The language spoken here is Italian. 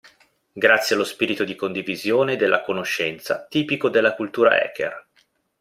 Grazie allo spirito di condivisione della conoscenza tipico della cultura hacker.